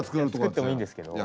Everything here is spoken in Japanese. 作ってもいいんですけど。